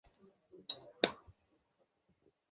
তাছাড়া, তুমি একা নও।